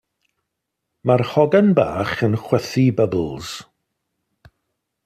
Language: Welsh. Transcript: Mae'r hogan bach yn chwythu bybls.